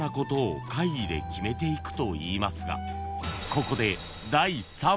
［ここで］